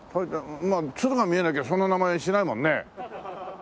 鶴が見えなきゃそんな名前にしないもんね。